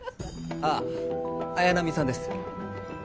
あ綾波さんです。